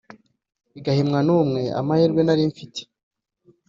igahimwa numwe, amahirwe narimfite